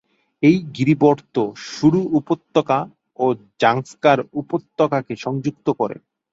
এই গিরিবর্ত্ম সুরু উপত্যকা ও জাংস্কার উপত্যকাকে সংযুক্ত করে।